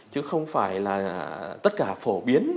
chứ không phải là tất cả phổ biến